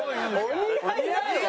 お似合いだよ。